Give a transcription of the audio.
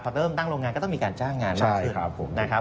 พอเริ่มตั้งโรงงานก็ต้องมีการจ้างงานมากขึ้นนะครับ